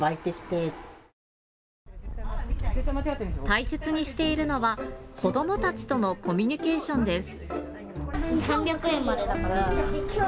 大切にしているのは子どもたちとのコミュニケーションです。